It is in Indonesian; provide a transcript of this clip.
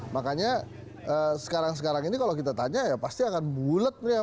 makanya sekarang sekarang ini kalau kita tanya ya pasti akan bulet